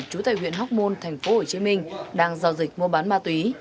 trú tại huyện hóc môn tp hcm đang giao dịch mua bán ma túy